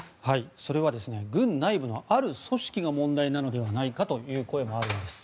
それは軍内部のある組織が問題なのではないかという声もあるんです。